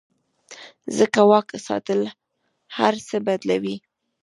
ځکه واک ساتل هر څه بدلوي.